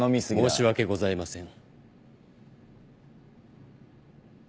申し訳ございません。